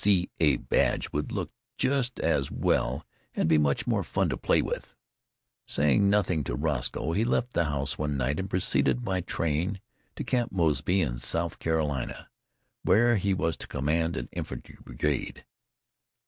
W.C.A. badge would look just as well and be much more fun to play with. Saying nothing to Roscoe, he left the house one night and proceeded by train to Camp Mosby, in South Carolina, where he was to command an infantry brigade.